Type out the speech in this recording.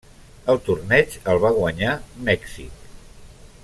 El torneig el va guanyar Mèxic.